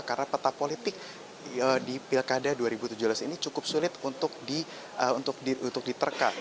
karena peta politik di pilkada dua ribu tujuh belas ini cukup sulit untuk diterka